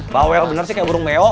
bawel bener sih kayak burung meo